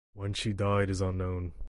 When she died is unknown.